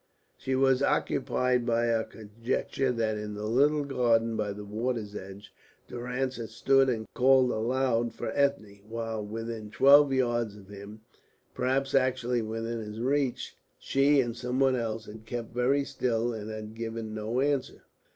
She was occupied by her conjecture that in the little garden by the water's edge Durrance had stood and called aloud for Ethne, while within twelve yards of him, perhaps actually within his reach, she and some one else had kept very still and had given no answer.